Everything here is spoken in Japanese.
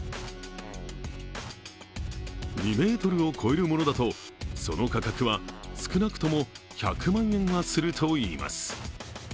２ｍを超えるものだと、その価格は少なくとも１００万円はするといいます。